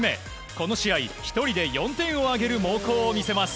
この試合１人で４点を挙げる猛攻を見せます。